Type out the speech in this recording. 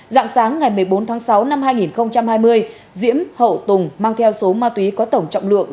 dạng sáng ngày một mươi bốn tháng sáu năm hai nghìn hai mươi diễm hậu tùng mang theo số ma túy có tổng trọng lượng